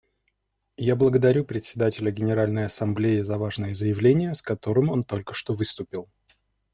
Я благодарю Председателя Генеральной Ассамблеи за важное заявление, с которым он только что выступил.